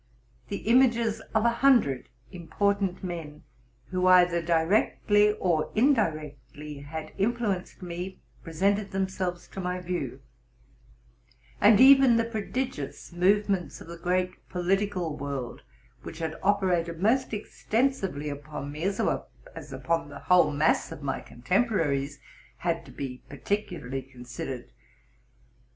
The images of a hundred important men, who either directly or indirectly had influenced me, presented themselves to my view ; and even the prodigious movements of the great po litical world, which had operated most extensively upon me, as well as upon the whole mass of my contemporaries, had to be particularly considered.